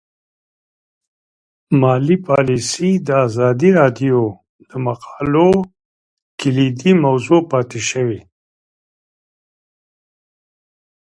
مالي پالیسي د ازادي راډیو د مقالو کلیدي موضوع پاتې شوی.